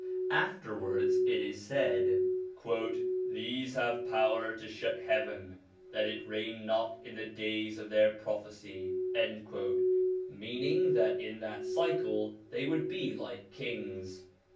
Afterwards it is said: 'These have power to shut heaven that it rain not in the days of their prophecy,' meaning that in that cycle they would be like kings.